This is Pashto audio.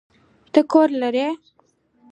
ته کور لری؟